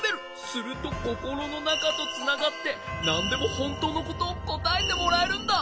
するとココロのなかとつながってなんでもほんとうのことをこたえてもらえるんだ。